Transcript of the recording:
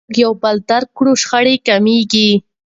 که موږ یو بل درک کړو شخړې کمیږي.